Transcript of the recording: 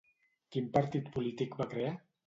Quin partit polític va crear?